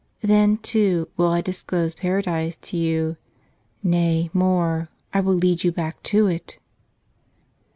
Then, too, will I disclose Paradise to you — nay, more, I will lead you back to it."